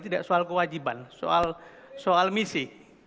tidak soal kewajiban soal misi